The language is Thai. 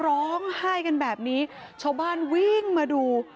ร้องไห้กันแบบนี้ชาวบ้านวิ่งมาดู